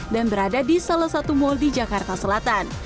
dan berada di salah satu mall di jakarta selatan